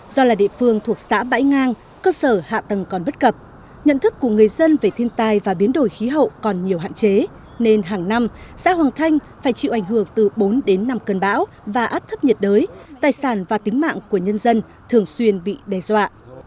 do là địa phương thuộc xã bãi ngang cơ sở hạ tầng còn bất cập nhận thức của người dân về thiên tai và biến đổi khí hậu còn nhiều hạn chế nên hàng năm xã hoàng thanh phải chịu ảnh hưởng từ bốn đến năm cơn bão và áp thấp nhiệt đới tài sản và tính mạng của nhân dân thường xuyên bị đe dọa